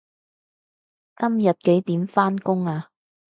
今日幾點返工啊